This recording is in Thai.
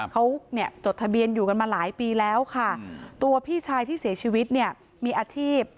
เขาเนี่ยจดทะเบียนอยู่กันมาหลายปีแล้วค่ะตัวพี่ชายที่เสียชีวิตเนี่ยมีอาชีพ